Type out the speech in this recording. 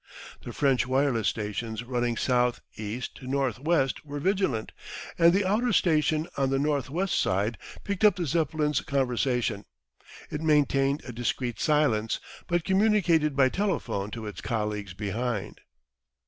The French wireless stations running south east to north west were vigilant, and the outer station on the north west side picked up the Zeppelin's conversation. It maintained a discreet silence, but communicated by telephone to its colleagues behind.